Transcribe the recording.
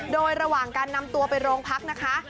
โดยระหว่างการนำตัวไปโรงพักนะคะ